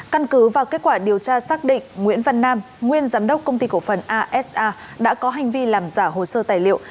căn cứ và kết quả điều tra xác định nguyễn văn nam nguyên giám đốc công ty cổ phần asa đã có hành vi làm giả hồ sơ tài liệu